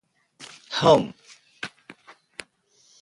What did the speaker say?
Home.